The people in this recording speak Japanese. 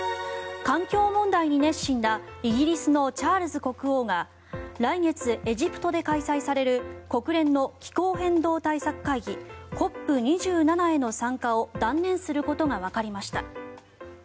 環境問題に熱心なイギリスのチャールズ国王が来月、エジプトで開催される国連の気候変動対策会議・ＣＯＰ２７への参加を断念することがわかりました。